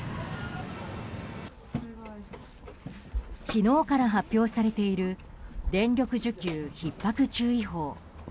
昨日から発表されている電力需給ひっ迫注意報。